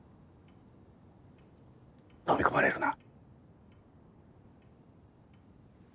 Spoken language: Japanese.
のみ込まれるな。